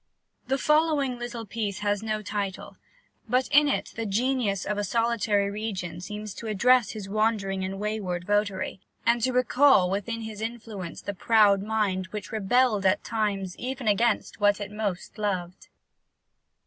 The following little piece has no title; but in it the Genius of a solitary region seems to address his wandering and wayward votary, and to recall within his influence the proud mind which rebelled at times even against what it most loved.